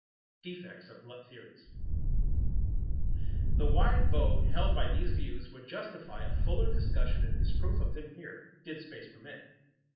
[Sidenote: Defects of glut theories] The wide vogue held by these views would justify a fuller discussion and disproof of them here, did space permit.